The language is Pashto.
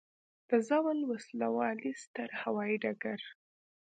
د زاول وسلوالی ستر هوایي ډګر